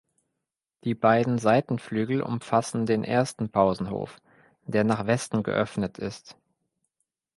Die beiden Seitenflügel umfassen den ersten Pausenhof der nach Westen geöffnet ist.